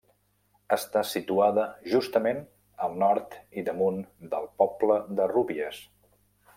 Està situada justament al nord i damunt del poble de Rúbies.